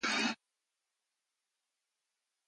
Majano was considered the most important person in the junta.